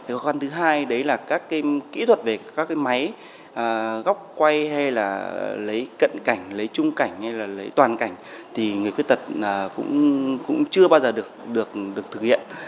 khó khăn thứ hai đấy là các kỹ thuật về các máy góc quay hay là lấy cận cảnh lấy trung cảnh hay là lấy toàn cảnh thì người khuyết tật cũng chưa bao giờ được thực hiện